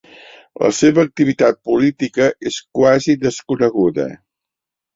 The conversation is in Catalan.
La seva activitat política és quasi desconeguda.